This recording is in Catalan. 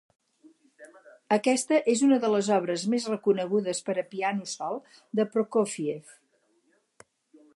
Aquesta és una de les obres més reconegudes per a piano sol de Prokófiev.